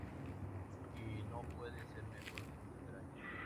Y no puede ser mejor su primer año.